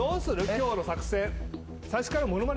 今日の作戦。